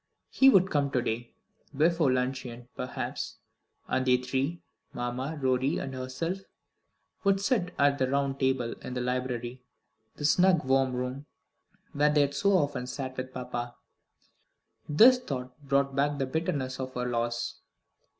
He would come to day before luncheon, perhaps, and they three, mamma, Rorie, and herself, would sit at the round table in the library the snug warm room where they had so often sat with papa. This thought brought back the bitterness of her loss.